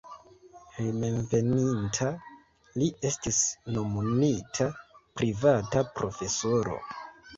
Hejmenveninta li estis nomumita privata profesoro.